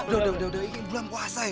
sudah sudah ini bulan puasa ya